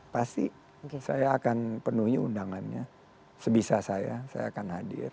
pasti saya akan penuhi undangannya sebisa saya saya akan hadir